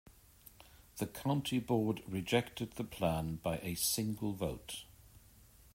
The county board rejected the plan by a single vote.